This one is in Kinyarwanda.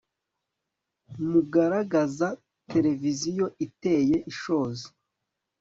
Mugaragaza televiziyo iteye ishozi